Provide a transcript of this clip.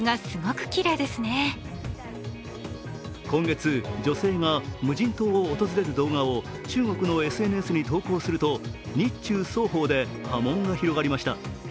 今月、女性が無人島を訪れる動画を中国のＳＮＳに投稿すると日中双方で波紋が広がりました。